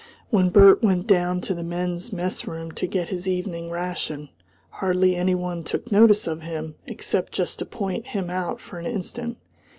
When Bert went down to the men's mess room to get his evening ration, hardly any one took notice of him except just to point him out for an instant.